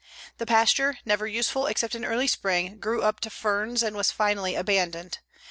The pasture, never useful except in early spring, grew up to ferns, and was finally abandoned.